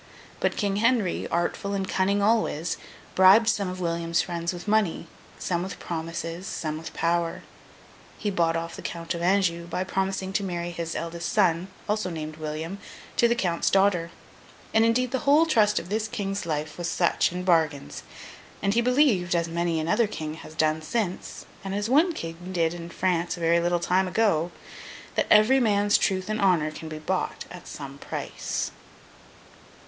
But, King Henry, artful and cunning always, bribed some of William's friends with money, some with promises, some with power. He bought off the Count of Anjou, by promising to marry his eldest son, also named William, to the Count's daughter; and indeed the whole trust of this King's life was in such bargains, and he believed (as many another King has done since, and as one King did in France a very little time ago) that every man's truth and honour can be bought at some price.